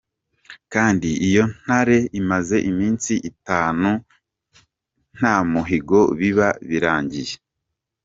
Kandi iyo intare imaze iminsi itanu nta muhigo biba birangiye.